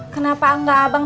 kenapa gak bang